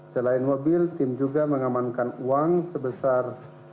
selain mobil tim juga mengamankan uang sebesar